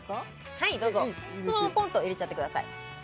はいどうぞそのままポンと入れちゃってください